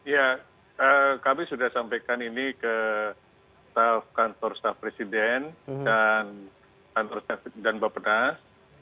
ya kami sudah sampaikan ini ke kantor kantor presiden dan bapak penas